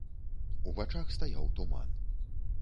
У вачах стаяў туман.